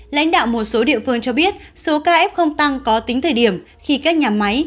lãnh đạo một số địa phương cho biết số caf không tăng có tính thời điểm khi các nhà máy